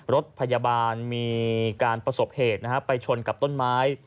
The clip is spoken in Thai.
รถพยาบาลมีการประสบเหตุไปชนกับต้นไม้